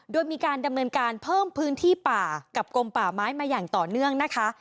โดยมีการดำเนินการเพิ่มพื้นที่ป่ากับกลมป่าไม้มาอย่างต่อเนื่องนะคะ